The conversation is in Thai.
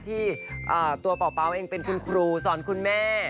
ที่ตัวเป่าเองเป็นคุณครูสอนคุณแม่